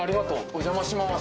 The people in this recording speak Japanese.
お邪魔します。